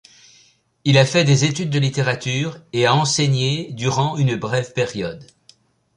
Il a fait des études de littérature et a enseigné durant une brève période.